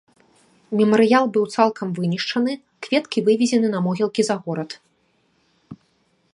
Мемарыял быў цалкам вынішчаны, кветкі вывезены на могілкі за горад.